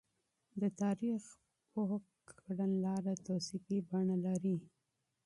د تاريخ پوه کړنلاره توصيفي بڼه لري.